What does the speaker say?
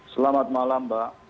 selamat malam mbak